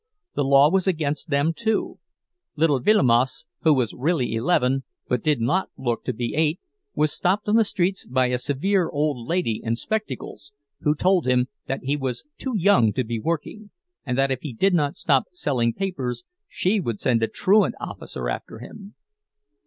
The law was against them, too—little Vilimas, who was really eleven, but did not look to be eight, was stopped on the streets by a severe old lady in spectacles, who told him that he was too young to be working and that if he did not stop selling papers she would send a truant officer after him.